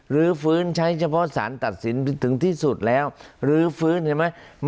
ลื้อฟื้นใช้เฉพาะสารตัดสินถึงที่สุดแล้วลื้อฟื้นเห็นไหม